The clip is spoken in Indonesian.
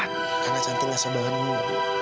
karena cantik gak sabarannya